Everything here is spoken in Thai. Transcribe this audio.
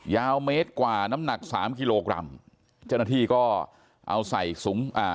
ยาวเมตรกว่าน้ำหนักสามกิโลกรัมเจ้าหน้าที่ก็เอาใส่ถุงอ่า